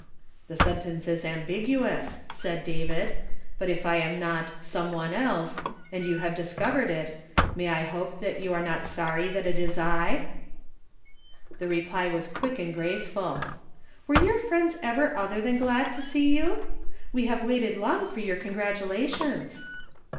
" The sentence is anibicruous," said David ;" but if I am not 'some one else,' and you have discovered it, may I hope you are not sorry that it is I ?" The reply was quick and graceful. "Were your friends ever other than glad to see you? We have waited long for your congratulations."